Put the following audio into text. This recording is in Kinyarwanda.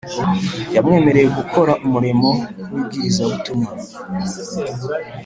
yamwemereye gukora umurimo w’ibwirizabutumwa